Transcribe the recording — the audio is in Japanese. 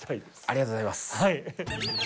ありがとうございます。